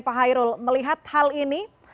pak hairul melihat hal ini